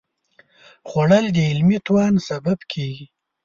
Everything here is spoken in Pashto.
خوړل د علمي توان سبب کېږي